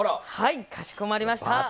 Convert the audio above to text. かしこまりました！